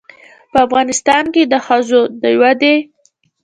په افغانستان کې د ښځو د ودې